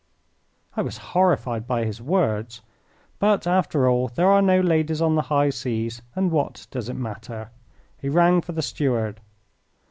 I was horrified by his words, but, after all, there are no ladies on the high seas, and what did it matter? He rang for the steward.